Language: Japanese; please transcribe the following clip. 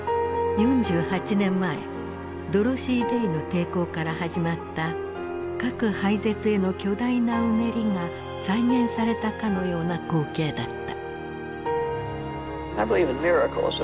４８年前ドロシー・デイの抵抗から始まった核廃絶への巨大なうねりが再現されたかのような光景だった。